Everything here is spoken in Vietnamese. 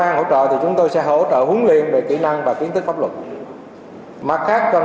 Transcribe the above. hỗ trợ thì chúng tôi sẽ hỗ trợ huấn luyện về kỹ năng và kiến thức pháp luật mặt khác trong